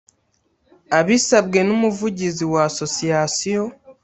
abisabwe n umuvugizi wa association